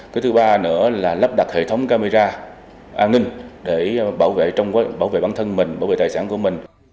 cái thứ ba nữa là lắp đặt hệ thống camera an ninh để bảo vệ bản thân mình bảo vệ tài sản của mình